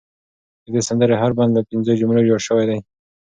د دې سندرې هر بند له پنځو جملو جوړ شوی دی.